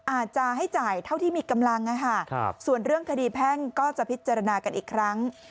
อาจจะให้จ่ายเท่าที่มีกำลังส่วนเรื่องคดีแพ่งก็จะพิจารณากันอีกครั้ง